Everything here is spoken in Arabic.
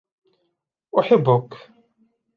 احبك.